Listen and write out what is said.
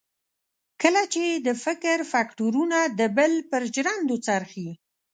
کله چې یې د فکر فکټورنه د بل پر ژرندو څرخي.